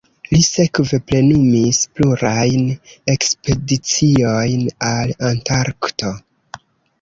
Li sekve plenumis plurajn ekspediciojn al Antarkto.